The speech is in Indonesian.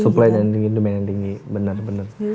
supply yang tinggi demand yang tinggi bener bener